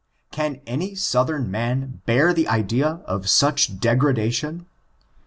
Can any Southern man bear the idea of such degradation?